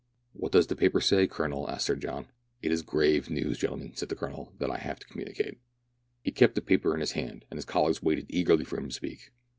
"What does the paper say, Colonel ?" asked Sir John. "It is grave news, gentlemen," said the Colonel, "that I have to communicate." He kept the paper in his hand, and his colleagues waited eagerly for him to speak.